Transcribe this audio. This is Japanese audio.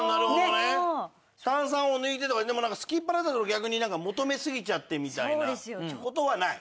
炭酸を抜いてとかでもなんか空きっ腹だと逆になんか求めすぎちゃってみたいな事はない？